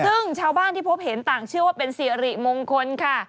ซึ่งชาวบ้านที่พบเห็นต่างเชื่อว่าเป็นสิริมงคลค่ะ